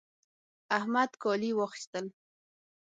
احمد کالي واخيستل